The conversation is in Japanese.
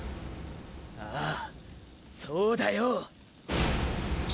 ああそうだよ公貴！